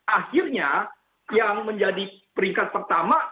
akhirnya yang menjadi peringkat pertama